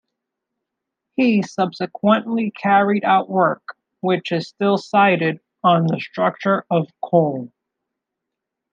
He subsequently carried out work, which is still cited, on the structure of coal.